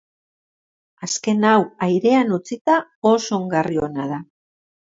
Azken hau, airean utzita, oso ongarri ona da.